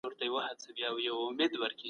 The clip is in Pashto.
پانګه والو ډېره شتمني ټوله کړه.